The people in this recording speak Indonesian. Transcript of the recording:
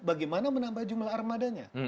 bagaimana menambah jumlah armadanya